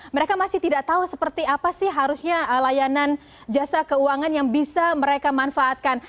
mereka masih tidak tahu seperti apa sih harusnya layanan jasa keuangan yang bisa mereka manfaatkan